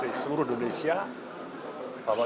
di seluruh indonesia